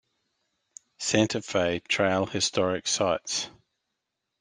Santa Fe Trail Historic Sites.